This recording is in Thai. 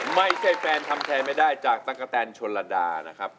ไม่ใช่แฟนทำแทนไม่ได้จากตั๊กกะแตนชนระดานะครับ